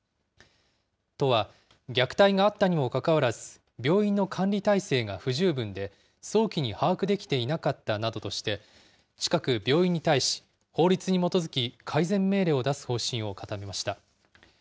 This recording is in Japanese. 都は虐待があったにもかかわらず、病院の管理体制が不十分で、早期に把握できていなかったなどとして、近く病院に対し、法律に基づき改善命令を出す方針を固めました。